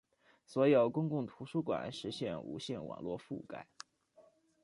所有公共图书馆实现无线网络覆盖。